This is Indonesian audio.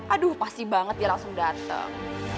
aduh pasti banget dia langsung datang